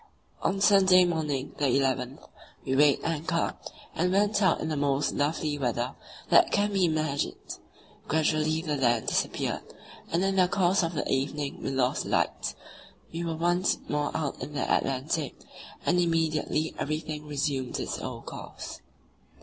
On Sunday morning, the 11th, we weighed anchor, and went out in the most lovely weather that can be imagined. Gradually the land disappeared, and in the course of the evening we lost the lights; we were once more out in the Atlantic, and immediately everything resumed its old course.